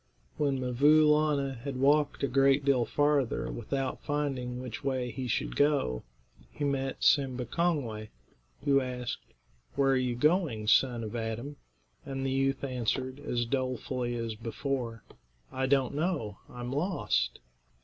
When 'Mvoo Laana had walked a great deal farther without finding which way he should go, he met Simba Kongway, who asked, "Where are you going, son of Adam?" And the youth answered, as dolefully as before, "I don't know; I'm lost."